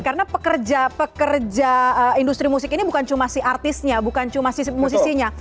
karena pekerja pekerja industri musik ini bukan cuma si artisnya bukan cuma si musisinya